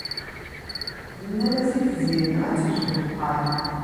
Nnan-as i Tiziri ad tejj ddexxan.